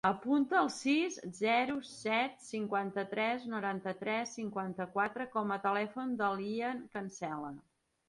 Apunta el sis, zero, set, cinquanta-tres, noranta-tres, cinquanta-quatre com a telèfon de l'Ian Cancela.